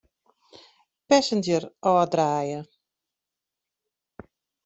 Passenger ôfdraaie.